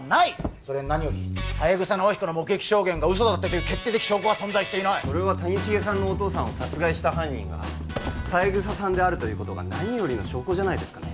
それに三枝尚彦の目撃証言が嘘だという決定的証拠は存在してないそれは谷繁さんのお父さんを殺害した犯人が三枝さんであることが何よりの証拠じゃないですかね？